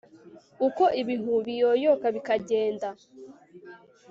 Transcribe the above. uko ibihu biyoyoka bikagenda